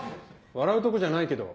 笑うとこじゃないけど。